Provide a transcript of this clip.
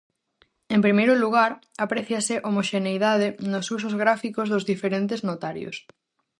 En primeiro lugar, apréciase homoxeneidade nos usos gráficos dos diferentes notarios.